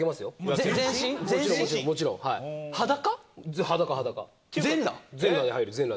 全裸で入る、全裸。